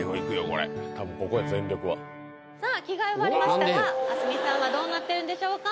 これ多分ここや全力はさあ着替え終わりましたが明日海さんはどうなっているんでしょうか？